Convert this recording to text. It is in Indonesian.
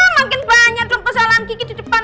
makin banyak dong kesalahan kiki di depan